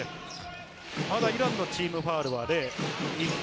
まだイランのチームファウルは０。